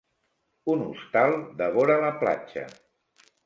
Un hostal devora la platja.